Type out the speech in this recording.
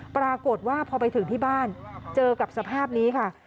ปรากฏว่าพอไปถึงที่บ้านเจอกับสภาพนี้ค่ะ